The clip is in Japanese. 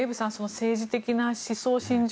政治的な思想信条